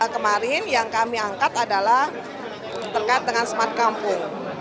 kemarin yang kami angkat adalah terkait dengan smart kampung